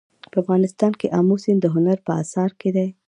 په افغانستان کې آمو سیند د هنر په اثار کې دی.